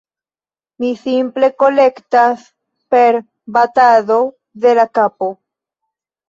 mi simple kolektas per batado de la kapo.